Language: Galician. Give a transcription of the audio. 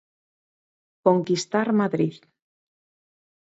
Conquistar Madrid.